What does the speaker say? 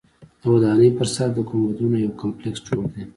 د ودانۍ پر سر د ګنبدونو یو کمپلیکس جوړ دی.